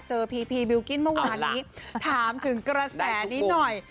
พีพีบิลกิ้นเมื่อวานนี้ถามถึงกระแสนี้หน่อย